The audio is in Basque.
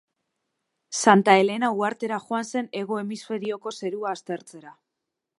Santa Helena uhartera joan zen hego hemisferioko zerua aztertzera.